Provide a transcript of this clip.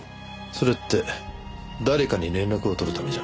それって誰かに連絡を取るためじゃ。